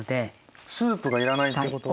スープが要らないっていうことは。